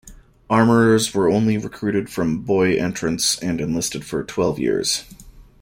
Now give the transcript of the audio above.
Armourers were only recruited from boy entrants and enlisted for twelve years.